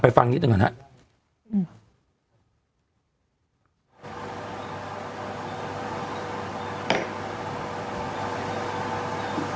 ไปฟังนิดหน่อยหน่อยอืม